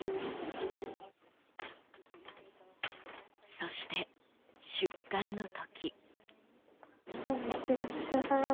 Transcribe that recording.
そして、出棺の時。